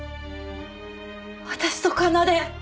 私と奏。